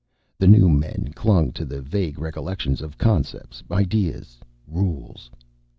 The new men clung to the vague recollections of concepts, ideas, rules.